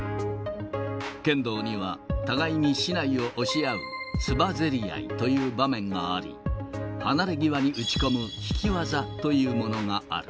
剣道には互いに竹刀を押し合うつばぜり合いという場面があり、離れ際に打ち込む引き技というものがある。